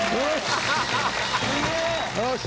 よし！